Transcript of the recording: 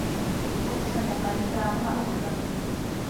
Občané mají právo na ochranu.